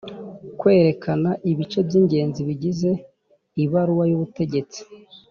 Kwerekana ibice by’ingenzi bigize ibaruwa y’ubutegetsi